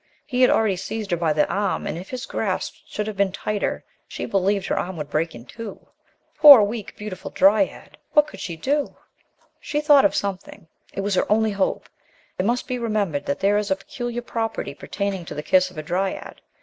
He had already seized her by the arm, and if his grasp should become tighter, she believed her arm would break in two. Poor, weak, beautiful dryad ! What could she do? THE LOST DRYAD HE thought of something. It was her only hope! It must be remembered that there is a peculiar property pertaining to the kiss of a dryad.